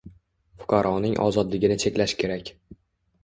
Fuqaroning ozodligini cheklash kerak